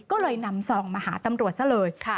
ก็เลยนำซองมาหาตำรวจซะเลย